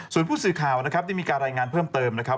ส่วนผู้สื่อข่าวนะครับได้มีการรายงานเพิ่มเติมนะครับ